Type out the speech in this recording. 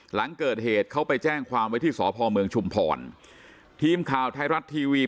หลังเกิดเหตุเขาไปแจ้งความไว้ที่สพเมืองชุมพรทีมข่าวไทยรัฐทีวี